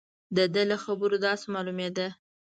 د ده له خبرو داسې معلومېده.